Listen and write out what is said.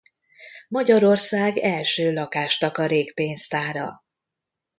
Magyarország első lakás-takarékpénztára.